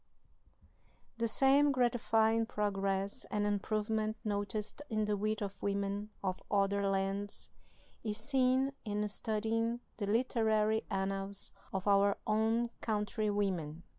The same gratifying progress and improvement noticed in the wit of women of other lands is seen in studying the literary annals of our own countrywomen.